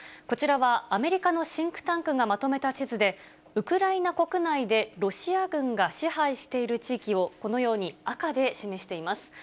こちらは、アメリカのシンクタンクがまとめた地図で、ウクライナ国内でロシア軍が支配している地域をこのように赤で示しています。